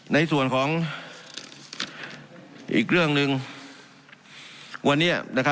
ในส่วนของอีกเรื่องหนึ่งวันนี้